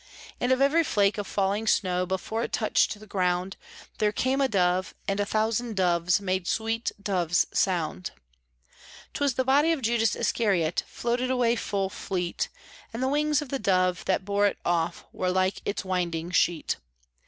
" And of every flake of falling snow Before it touched the ground, There came a dove, and a thousand doves Made sweet doves' sound. NEWCASTLE PRISON 229 ' 'Twas the body of Judas Iscariot Floated away full fleet, And the wings of the dove that bore it off Were like its winding sheet.